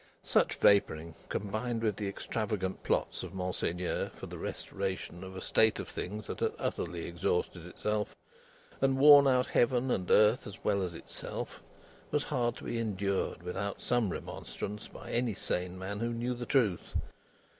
Such vapouring, combined with the extravagant plots of Monseigneur for the restoration of a state of things that had utterly exhausted itself, and worn out Heaven and earth as well as itself, was hard to be endured without some remonstrance by any sane man who knew the truth.